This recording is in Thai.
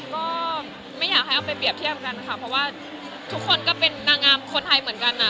ก็ไม่อยากให้เอาไปเรียบเทียบกันค่ะเพราะว่าทุกคนก็เป็นนางงามคนไทยเหมือนกัน